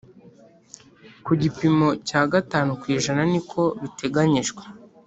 ku gipimo cya gatanu ku ijana niko biteganyijwe